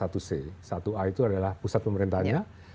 satu a itu adalah pusat pemerintahnya